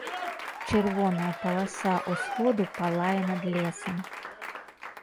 Чырвоная паласа ўсходу палае над лесам.